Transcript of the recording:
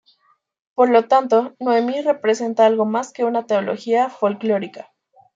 Por lo tanto, Noemí representa algo más que una teología folclórica.